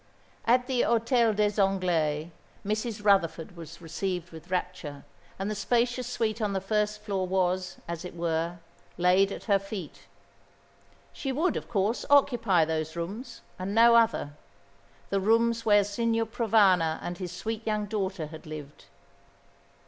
At the Hôtel des Anglais Mrs. Rutherford was received with rapture, and the spacious suite on the first floor was, as it were, laid at her feet. She would, of course, occupy those rooms, and no other; the rooms where Signor Provana and his sweet young daughter had lived.